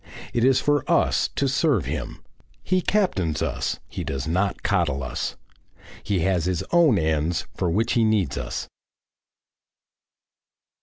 It is for us to serve Him. He captains us, he does not coddle us. He has his own ends for which he needs us.